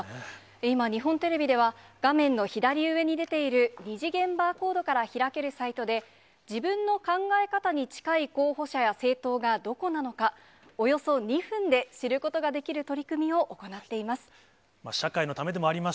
今、日本テレビでは、画面の左上に出ている２次元バーコードから開けるサイトで、自分の考え方に近い候補者や政党がどこなのか、およそ２分で知ることができる取り組みを行っています。